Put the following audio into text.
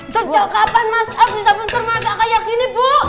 sejak kapan masak bisa pencar makanan kayak gini bu